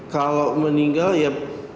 kalau meninggal ya